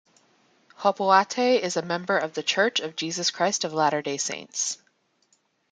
Hopoate is a member of The Church of Jesus Christ of Latter-day Saints.